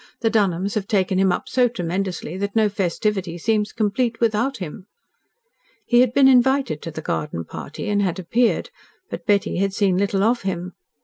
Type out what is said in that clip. The Dunholms have taken him up so tremendously that no festivity seems complete without him." He had been invited to the garden party, and had appeared, but Betty had seen little of him.